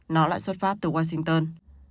nó lại xuất phát từ washington